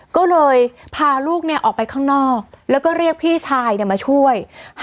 ก็เลยพาลูกออกไปข้างนอกแล้วก็เรียกพี่ชายมาช่วย